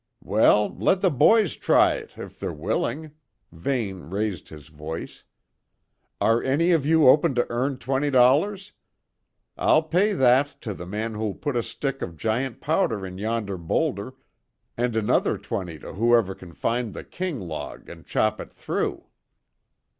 "We'll let the boys try it, if they're willing." Vane raised his voice. "Are any of you open to earn twenty dollars? I'll pay that to the man who'll put a stick of giant powder in yonder boulder, and another twenty to whoever can find the king log and chop it through."